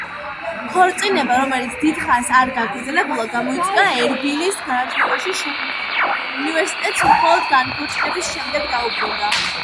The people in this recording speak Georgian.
ქორწინება, რომელიც დიდხანს არ გაგრძელებულა, გამოიწვია ერბილის განათლებაში შეფერხება; უნივერსიტეტს მხოლოდ განქორწინების შემდეგ დაუბრუნდა.